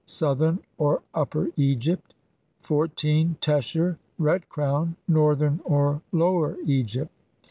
Southern or Upper Egypt. 14. \f tesher Red crown. Northern or Lower Egypt.